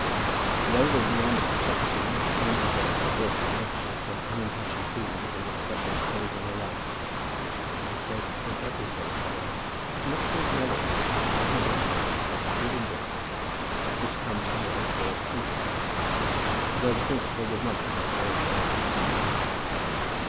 And, over and beyond the protection which came to her in the course of nature from unimpassioned feelings in this special phase of her life, and indeed, I may say, in every phase of her life, it must be acknowledged on her behalf that she did enjoy that protection which comes from what we call principle, though the principle was not perhaps very high of its kind.